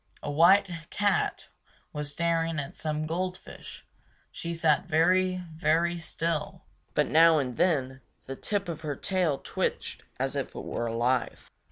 A white cat was staring at some gold fish; she sat very, very still, but now and then the tip of her tail twitched as if it were alive.